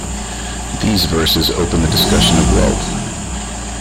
These verses open the discussion of wealth.